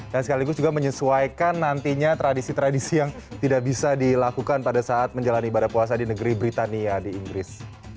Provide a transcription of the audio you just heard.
dan sekaligus juga menyesuaikan nantinya tradisi tradisi yang tidak bisa dilakukan pada saat menjalani ibadah puasa di negeri britania di inggris